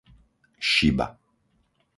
Šiba